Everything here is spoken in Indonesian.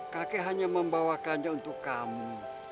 kakek hanya membawakannya untuk kamu